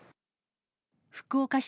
福岡市